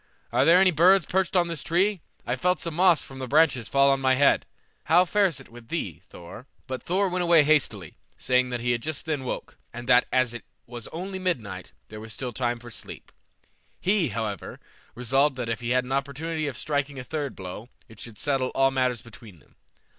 Are there any birds perched on this tree? I felt some moss from the branches fall on my head. How fares it with thee, Thor?" But Thor went away hastily, saying that he had just then awoke, and that as it was only midnight, there was still time for sleep. He, however, resolved that if he had an opportunity of striking a third blow, it should settle all matters between them.